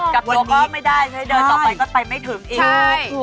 กลับตัวก็ไม่ได้เดินต่อไปก็ไปไม่ถึงอีก